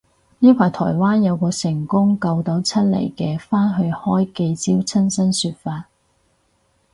呢排台灣有個成功救到出嚟嘅返去開記招親身說法